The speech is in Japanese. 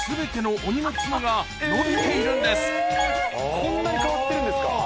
こんなに変わってるんですか。